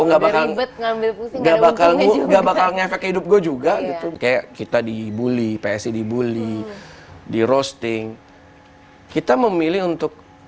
nggak bakal ngambek hidup gue juga gitu kayak kita dibuli psi dibuli di roasting kita memilih untuk